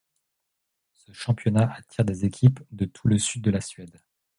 Ce championnat attire des équipes de tout le sud de la Suède.